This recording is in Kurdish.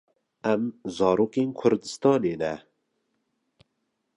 Em zarokên kurdistanê ne.